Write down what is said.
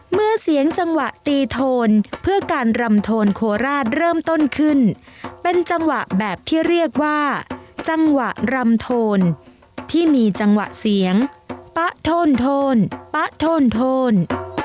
เมื่อเสียงจังหวะตีโทนเพื่อการรำโทนโคราชเริ่มต้นขึ้นเป็นจังหวะแบบที่เรียกว่าจังหวะรำโทนที่มีจังหวะเสียงปะโทนโทนป๊ะโทน